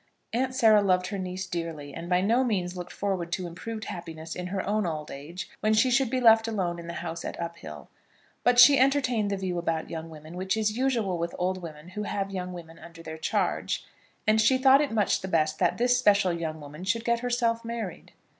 Aunt Sarah loved her niece dearly, and by no means looked forward to improved happiness in her own old age when she should be left alone in the house at Uphill; but she entertained the view about young women which is usual with old women who have young women under their charge, and she thought it much best that this special young woman should get herself married.